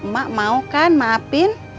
mak mau kan maafin